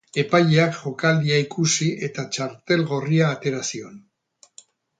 Epaileak jokaldia ikusi eta txartel gorria atera zion.